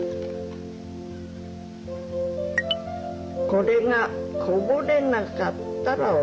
これがこぼれなかったらお慰め。